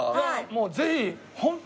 もうぜひ。